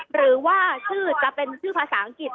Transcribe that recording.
หรือว่าชื่อจะเป็นชื่อภาษาอังกฤษ